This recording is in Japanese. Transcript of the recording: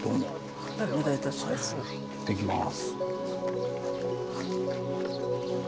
行ってきます。